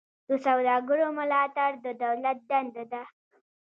د سوداګرو ملاتړ د دولت دنده ده